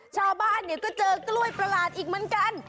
ชาวบ้านเนี่ยก็เจอกล้วยประหลาดอีกเหมือนกัน